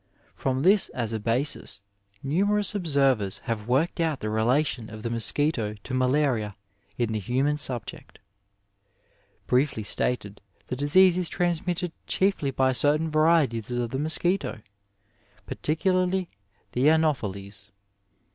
From this as a basis, numerous observers have worked out the relation of the mosquito to malaria in the human subject. Briefly stated, tHe disease is transmitted chiefly by certain varieties of the mosquito, particularly the Ano pheles.